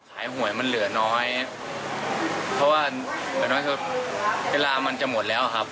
ขายหวยมันเหลือน้อยเพราะว่าเวลามันจะหมดแล้วครับ